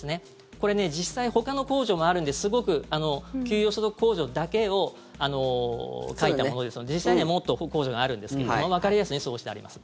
これね実際ほかの控除があるので給与所得控除だけを書いたものですので実際にはもっと控除があるんですけどもわかりやすいようにそうしてあります。